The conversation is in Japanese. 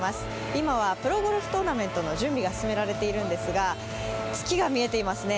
今はプロゴルフトーナメントの準備が進められていますが月が見えていますね